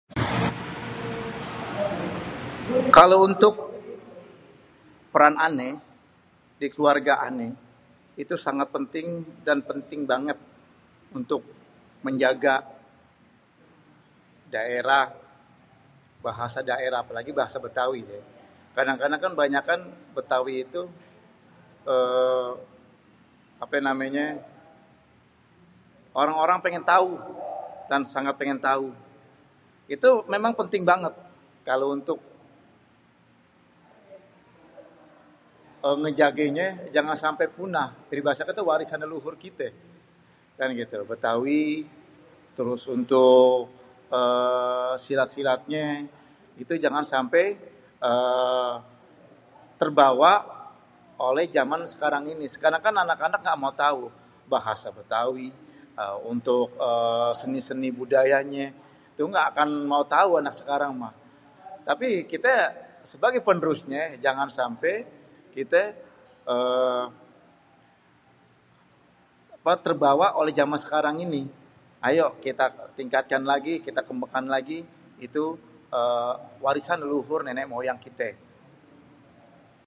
Kalau untuk peran ane di keluarga ane, itu sangat penting dan penting banget untuk menjaga daerah, bahasa daerah apalagi bahasa betawi ye kadang-kadang kebanyakan betawi itu eee ape namenye orang-orang pengen tau dan sangat pengen tau. Itu memang penting banget kalo untuk ngejangenye jangan sampe punah bahase kite warisan leluhur kite kan gitu. Betawi, terus untuk eee. Silat-silatnye itu jangan sampe eee terbawa oleh zaman sekarang ini, sekarang kan anak-anak engga mau tau bahasa Betawi, untuk seni-seni budayanye itu ga akan mau tau anak sekarang mah tapi kite sebagai penerusnye jangan sampe kite eee apa terbawa zaman sekarang ini ayo kita tingkatkan lagi, kita kembangkan lagi itu eee. warisan leluhur nenek moyang kite.